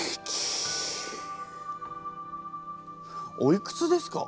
おいくつですか？